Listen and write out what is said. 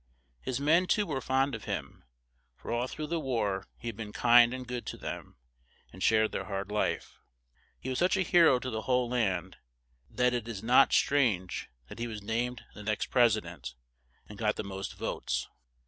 His men too were fond of him, for all through the war he had been kind and good to them, and shared their hard life. He was such a he ro to the whole land, that it is not strange that he was named for the next pres i dent, and got the most votes.